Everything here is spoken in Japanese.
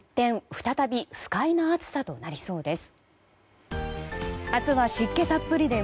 再び不快な暑さとなりそうです。